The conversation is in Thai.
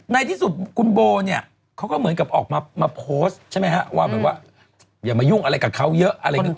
ในที่สุดคุณโบเขาก็เหมือนกับออกมาโพสต์ว่าอย่ามายุ่งอะไรกับเขาเยอะ